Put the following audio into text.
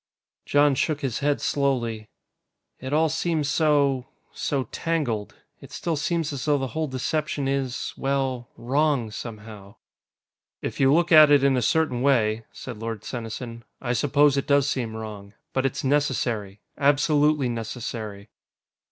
Jon shook his head slowly. "It all seems so ... so tangled. It still seems as though the whole deception is ... well, wrong, somehow." "If you look at it in a certain way," said Lord Senesin, "I suppose it does seem wrong. But it's necessary. Absolutely necessary."